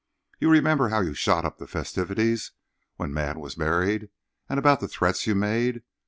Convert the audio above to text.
You remember how you shot up the festivities when Mad was married, and about the threats you made?